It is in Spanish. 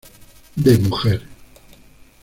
De Mujer.